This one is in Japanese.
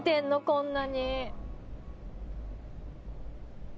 こんなに。